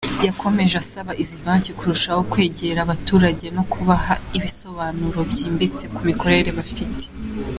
Yakomeje asaba izi banki kurushaho kwegera abaturage no kubaha ibisobanuro byimbitse ku mikorere bafite.